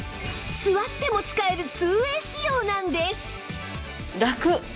座っても使える ２ＷＡＹ 仕様なんです